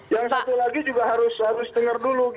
yang satu lagi juga harus dengar dulu